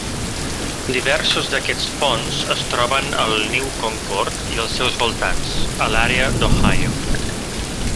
Diversos d'aquests ponts es troben al New Concord i als seus voltants, a l'àrea d'Ohio.